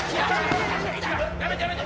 やめてやめて！